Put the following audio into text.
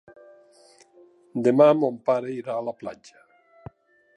Demà mon pare irà a la platja.